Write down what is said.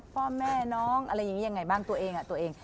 พ่อแม่น้องอะไรอย่างนี้ยังไงบ้านตัวเองตัวเอง